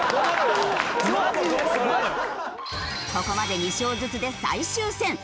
ここまで２勝ずつで最終戦。